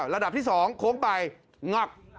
ระดับที่๒โค้งไปงอก